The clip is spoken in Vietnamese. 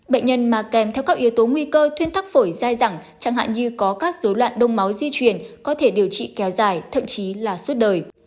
bệnh nhân mà kèm theo các yếu tố nguy cơ thuyên tắc phổi dai dẳng chẳng hạn như có các dối loạn đông máu di chuyển có thể điều trị kéo dài thậm chí là suốt đời